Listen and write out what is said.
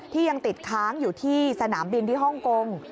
ยังติดค้างอยู่ที่สนามบินที่ฮ่องกง